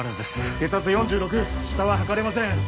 血圧４６下は測れません